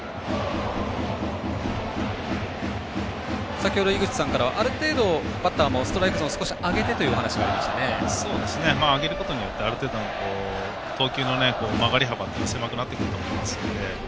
先ほど、井口さんからはある程度、バッターはストライクゾーン少し上げてという上げることによってある程度の投球の曲がり幅が狭くなってくると思いますので。